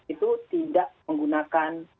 itu tidak menggunakan